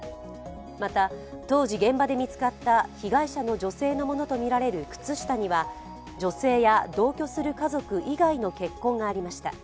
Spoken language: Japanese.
また、当時現場で見つかった被害者の女性のものとみられる靴下には女性や同居する家族以外の血痕がありました。